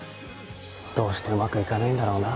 どうしてうまくいかないんだろうな。